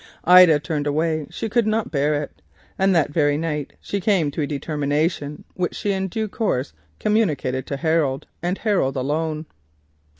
She turned away; she could not bear it, and that very night she came to a determination, which in due course was communicated to Harold, and him alone.